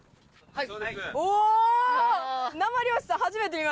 はい。